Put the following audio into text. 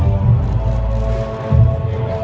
สโลแมคริปราบาล